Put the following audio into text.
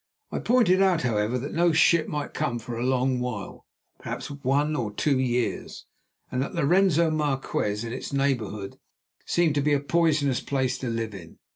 I pointed out, however, that no ship might come for a long while, perhaps for one or two years, and that Lorenzo Marquez and its neighborhood seemed to be a poisonous place to live in!